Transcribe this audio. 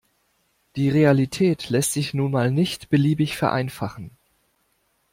Die Realität lässt sich nun mal nicht beliebig vereinfachen.